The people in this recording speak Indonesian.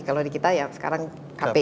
kalau di kita ya sekarang hp